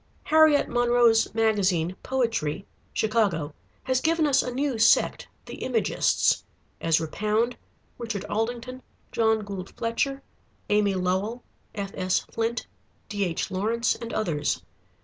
Harriet Monroe's magazine, "Poetry" (Chicago), has given us a new sect, the Imagists: Ezra Pound, Richard Aldington, John Gould Fletcher, Amy Lowell, F.S. Flint, D.H. Lawrence, and others.